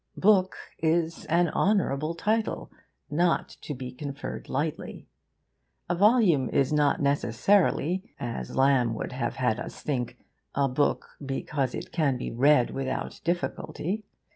Book is an honourable title, not to be conferred lightly. A volume is not necessarily, as Lamb would have had us think, a book because it can be read without difficulty.